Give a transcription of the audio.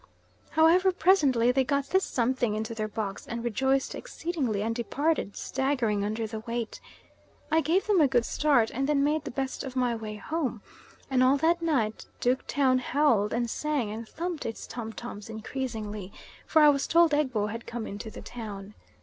However, presently they got this something into their box and rejoiced exceedingly, and departed staggering under the weight. I gave them a good start, and then made the best of my way home; and all that night Duke Town howled, and sang, and thumped its tom toms unceasingly; for I was told Egbo had come into the town.